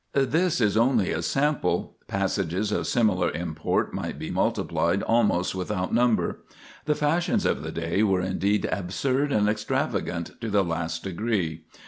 This is only a sample; passages of similar import might be multiplied almost without number. The fashions of the day were indeed absurd and extravagant to the last degree.